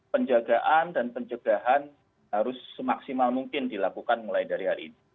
penjagaan dan pencegahan harus semaksimal mungkin dilakukan mulai dari hari ini